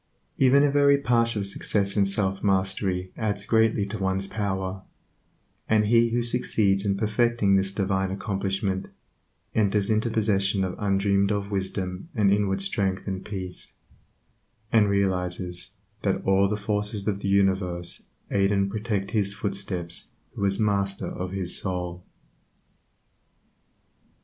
Even a very partial success in self mastery adds greatly to one's power, and he who succeeds in perfecting this divine accomplishment, enters into possession of undreamed of wisdom and inward strength and peace, and realizes that all the forces of the universe aid and protect his footsteps who is master of his soul.